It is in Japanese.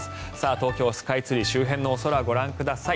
東京スカイツリー周辺のお空ご覧ください。